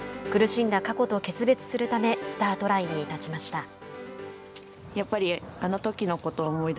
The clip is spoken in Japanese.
苦しんだ過去と決別するためスタートラインに立ちました。